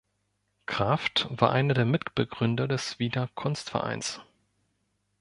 Krafft war einer der Mitbegründer des Wiener Kunstvereins.